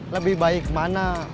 lebih baik mana